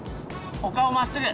お顔まっすぐ！